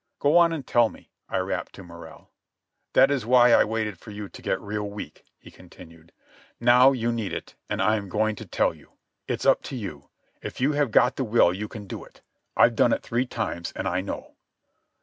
"Go on and tell me," I rapped to Morrell. "That is why I waited for you to get real weak," he continued. "Now you need it, and I am going to tell you. It's up to you. If you have got the will you can do it. I've done it three times, and I know."